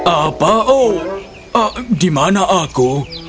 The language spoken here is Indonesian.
apa oh di mana aku